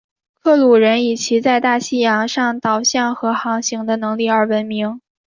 克鲁人以其在大西洋上导向和航行的能力而闻名。